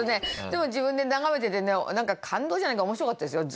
でも自分で眺めててねなんか感動じゃないけど面白かったですよ。